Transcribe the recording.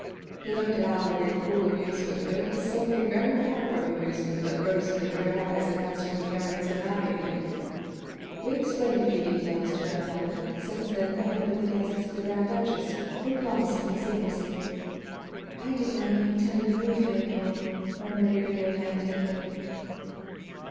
He looked at Allard in cool amusement, but it was something very far from amusement that rose in the gray eyes in answer to the memories of that evening. "We explained a few details to one another; since then they have been the guests of the Grand Duchess, who promised me secrecy." "I did not even tell you, Feodor," murmured Iría plaintively.